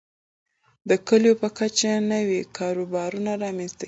د کليو په کچه نوي کاروبارونه رامنځته کیږي.